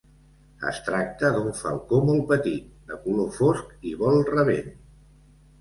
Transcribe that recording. Es tracta d'un falcó molt petit, de color fosc i vol rabent.